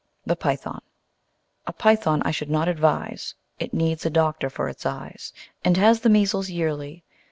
The Python A Python I should not advise, It needs a doctor for its eyes, And has the measles yearly.